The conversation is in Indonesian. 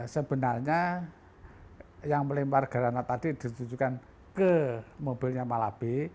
sebenarnya yang melempar garanat tadi ditujukan ke mobilnya malabi